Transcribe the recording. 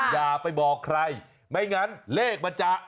อย่าไปบอกใครไม่งั้นเลขมันจะ